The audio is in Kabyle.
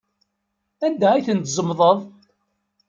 Anda ay ten-tzemḍeḍ?